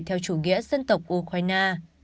theo chủ nghĩa dân tộc ukraine